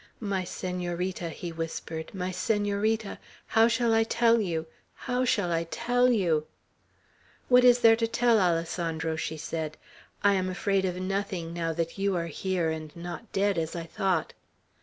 "My Senorita!" he whispered, "my Senorita! how shall I tell you! How shall I tell you!" "What is there to tell, Alessandro?" she said. "I am afraid of nothing, now that you are here, and not dead, as I thought."